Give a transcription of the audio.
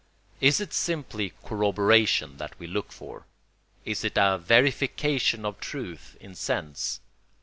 Is it simply corroboration that we look for? Is it a verification of truth in sense?